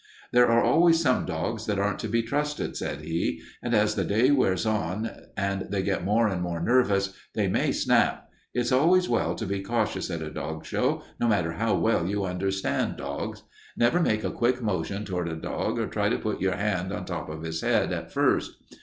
"There are always some dogs that aren't to be trusted," said he, "and as the day wears on and they get more and more nervous, they may snap. It's always well to be cautious at a dog show, no matter how well you understand dogs. Never make a quick motion toward a dog or try to put your hand on the top of his head at first.